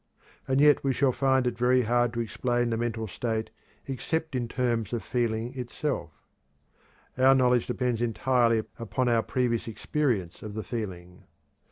And yet we shall find it very hard to explain the mental state except in terms of feeling itself. Our knowledge depends entirely upon our previous experience of the feeling.